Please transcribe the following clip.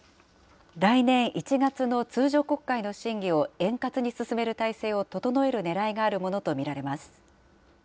来年１月の通常国会の審議を円滑に進める体制を整えるねらいがあるものと見られます。